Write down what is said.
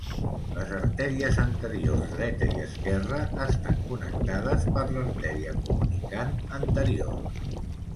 Les artèries anteriors dreta i esquerra estan connectades per l'arteria comunicant anterior.